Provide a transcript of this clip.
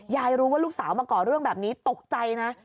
ยายรู้ว่าลูกสาวมาก่อเรื่องแบบนี้ตกใจนะ